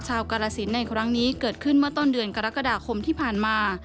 กรสินในครั้งนี้เกิดขึ้นเมื่อต้นเดือนกรกฎาคมที่ผ่านมา